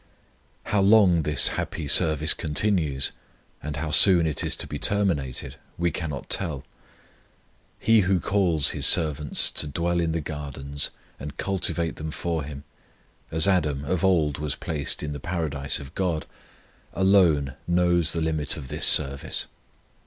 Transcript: How long this happy service continues, and how soon it is to be terminated, we cannot tell; He who calls His servants to dwell in the gardens, and cultivate them for Him as Adam of old was placed in the paradise of GOD alone knows the limit of this service.